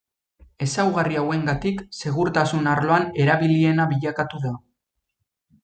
Ezaugarri hauengatik segurtasun arloan erabiliena bilakatu da.